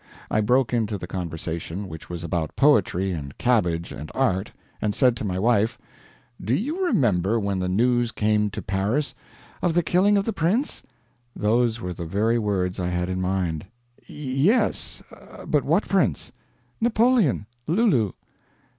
I broke into the conversation, which was about poetry and cabbage and art, and said to my wife "Do you remember when the news came to Paris " "Of the killing of the Prince?" (Those were the very words I had in my mind.) "Yes, but what Prince?" "Napoleon. Lulu."